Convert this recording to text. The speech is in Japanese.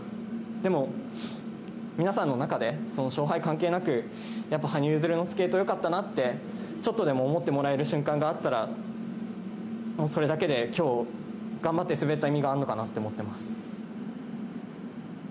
でも、皆さんの中で、その勝敗関係なく、やっぱ羽生結弦のスケートよかったなって、ちょっとでも思ってもらえる瞬間があったら、もうそれだけできょう、頑張って滑った意味があんのかなって思ってます。